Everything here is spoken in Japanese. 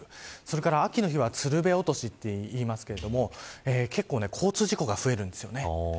それから秋の日はつるべ落としと言いますが結構交通事故が増えるんですよね。